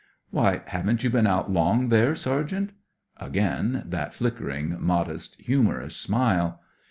" Why, haven't you been out long, then. Sergeant ?" Again that flickering, modest, humorous smile.